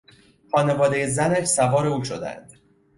خانوادهی زنش سوار او شدهاند.